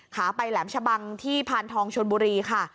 ขาไปแหลมชะบังที่พานทองชนบุรีค่ะ